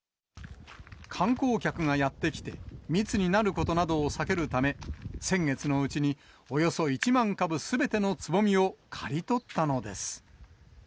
観光客がやって来て、密になることなどを避けるため、先月のうちにおよそ１万株すべてのつぼみを刈り取ったのです。